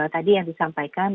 tadi yang disampaikan